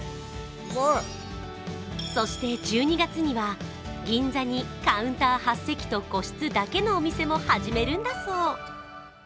そして１２月には、銀座にカウンター８席と、個室だけのお店も始めるんだそう。